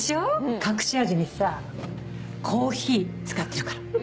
隠し味にさコーヒー使ってるからえ？